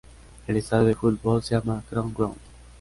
El estadio de fútbol se llama Crown Ground.